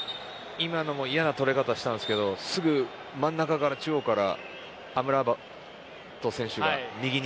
今のも嫌なとられ方したんですけどすぐ中央からアムラバト選手が右に